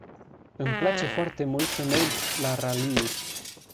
Îmi place foarte mult să merg la raliuri.